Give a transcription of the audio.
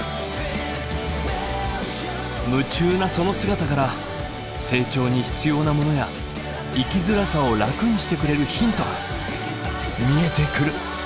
夢中なその姿から成長に必要なものや生きづらさを楽にしてくれるヒントが見えてくる。